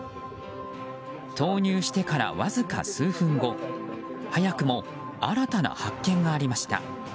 投入してからわずか数分後早くも新たな発見がありました。